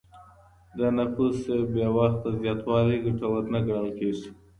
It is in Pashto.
د نفوس بې وخته زياتوالی ګټور نه ګڼل کيږي.